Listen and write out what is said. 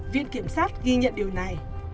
viện kiểm sát ghi nhận điều này